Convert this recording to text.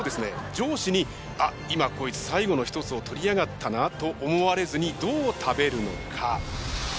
上司にあっ今こいつ最後の一つを取りやがったなと思われずにどう食べるのか？